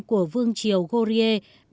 của vương triều gorye